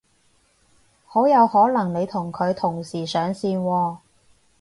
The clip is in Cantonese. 好有可能你同佢同時上線喎